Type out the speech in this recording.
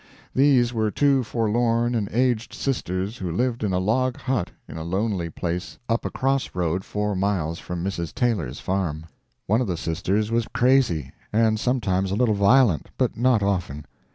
These were two forlorn and aged sisters who lived in a log hut in a lonely place up a cross road four miles from Mrs. Taylor's farm. One of the sisters was crazy, and sometimes a little violent, but not often.